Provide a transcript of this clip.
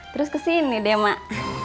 terus kesini deh mak